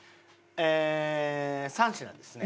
ええー３品ですね。